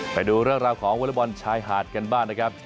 ไปดูเรื่องราวของวอเล็กบอลชายหาดกันบ้างนะครับ